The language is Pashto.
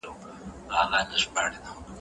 هغه ټولنه چي د اقتصاد په ارزښت پوهېږي پرمختګ کوي.